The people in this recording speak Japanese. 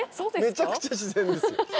めちゃくちゃ自然ですよ。